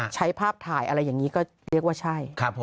ใช้ภาพถ่ายอะไรอย่างนี้ก็เรียกว่าใช่